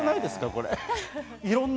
これ。